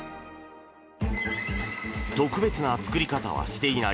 特別な作り方はしていない